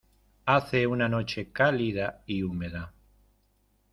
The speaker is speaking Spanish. Hace una noche cálida y húmeda.